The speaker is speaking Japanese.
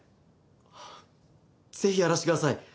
あぁぜひやらせてください！